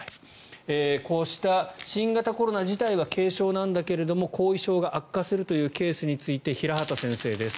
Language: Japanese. こうした新型コロナ自体は軽症なんだけれども後遺症が悪化するというケースについて平畑先生です。